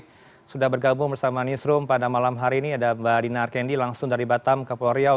terima kasih sudah bergabung bersama newsroom pada malam hari ini ada mbak dinar kendi langsung dari batam ke polriau